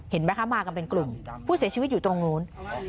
เห็นไหมคะมากันเป็นกลุ่มผู้เสียชีวิตอยู่ตรงนู้น